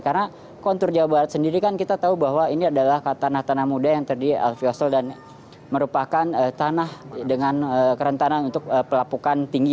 karena kontur jawa barat sendiri kan kita tahu bahwa ini adalah tanah tanah muda yang terdiri alfiosel dan merupakan tanah dengan kerentanan untuk pelapukan tinggi